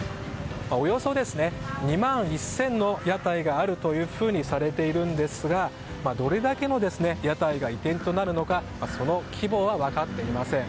およそ２万１０００の屋台があるとされているんですがどれだけの屋台が移転となるのかその規模は分かっていません。